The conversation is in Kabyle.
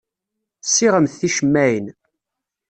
Ssiɣemt ticemmaɛin.